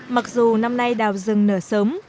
mặc dù năm nay đào rừng nở sớm